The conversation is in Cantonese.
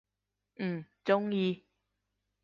嗯，中意！